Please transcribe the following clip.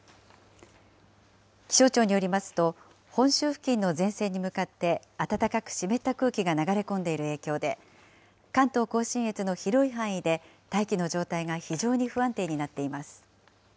気象庁によりますと、本州付近の前線に向かって、暖かく湿った空気が流れ込んでいる影響で、関東甲信越の広い範囲で、大気の状態が非常に不安定になっています。